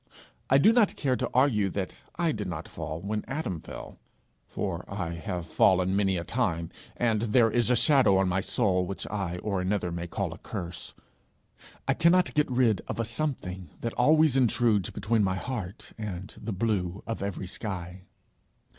I do not care to argue that I did not fall when Adam fell; for I have fallen many a time, and there is a shadow on my soul which I or another may call a curse; I cannot get rid of a something that always intrudes between my heart and the blue of every sky.